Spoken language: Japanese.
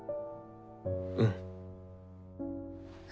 うん。